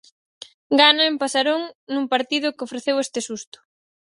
Gana en Pasarón nun partido que ofreceu este susto.